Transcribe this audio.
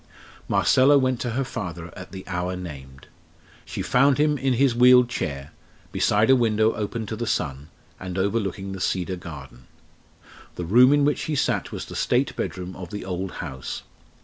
Marcella went to her father at the hour named. She found him in his wheeled chair, beside a window opened to the sun, and overlooking the Cedar Garden. The room in which he sat was the state bedroom of the old house.